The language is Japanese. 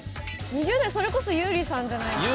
２０代それこそ優里さんじゃないですかね？